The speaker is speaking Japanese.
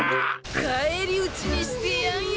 返り討ちにしてやんよ！